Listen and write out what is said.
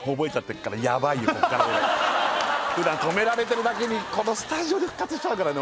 こっから俺ふだん止められてるだけにこのスタジオで復活しちゃうからね